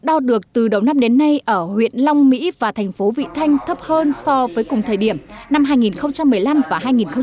đo được từ đầu năm đến nay ở huyện long mỹ và thành phố vị thanh thấp hơn so với cùng thời điểm năm hai nghìn một mươi năm và hai nghìn một mươi bảy